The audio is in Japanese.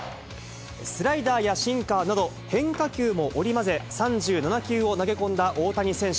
スライダーやシンカーなど、変化球も織り交ぜ、３７球を投げ込んだ大谷選手。